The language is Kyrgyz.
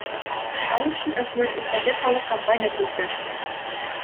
Ал үчүн өкмөт ипотекалык компания түздү.